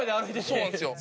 そうなんですよ。